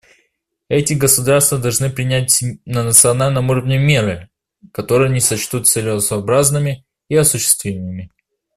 Эти государства должны принять на национальном уровне меры, которые они сочтут целесообразными и осуществимыми.